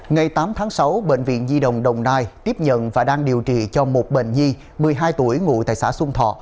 ngày tám tháng sáu bệnh viện di đồng đồng nai tiếp nhận và đang điều trị cho một bệnh nhi một mươi hai tuổi ngụ tại xã xuân thọ